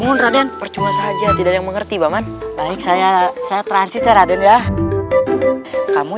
ya mohon raden percuma saja tidak mengerti bapak baik saya saya transis ya raden ya kamu